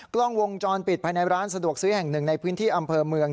กล้องวงจรปิดภายในร้านสะดวกซื้อแห่งหนึ่งในพื้นที่อำเภอเมือง